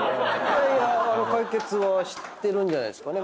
解決はしてるんじゃないですかね